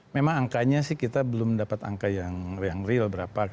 memang angkanya sih kita belum dapat angka yang real berapa